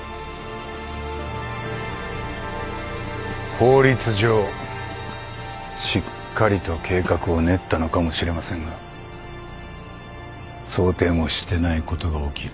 法律上しっかりと計画を練ったのかもしれませんが想定もしてないことが起きる。